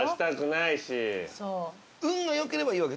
運が良ければいいわけ。